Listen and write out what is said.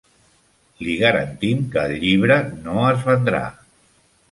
Li garantim que el llibre no es vendrà.